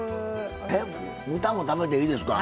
えっ豚も食べていいですか？